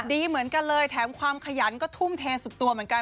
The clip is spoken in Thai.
ดีเหมือนกันเลยแถมความขยันก็ทุ่มเทสุดตัวเหมือนกัน